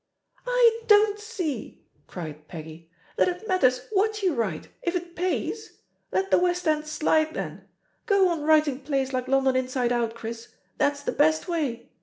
"I don't see," cried Peggy, "that it matters i[x>hat you write, if it pays. Let the West End slide, thent Go on writing plays like London Inside Out, Chris — ^that's the best way.